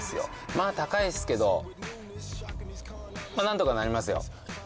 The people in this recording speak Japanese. まあ、高いっすけど、まあ、なんとかなりますよ。